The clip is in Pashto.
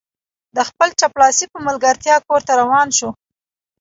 د خپل چپړاسي په ملګرتیا کور ته روان شو.